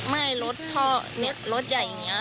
ไม่มีเลยใช่ใช่